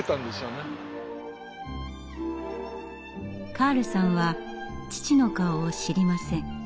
カールさんは父の顔を知りません。